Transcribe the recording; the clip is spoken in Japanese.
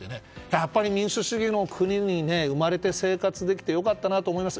やっぱり民主主義の国に生まれて生活できて良かったなと思います。